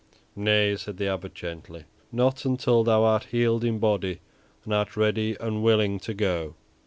"Nay," said the Abbot, gently; "not until thou art healed in body and art ready and willing to go."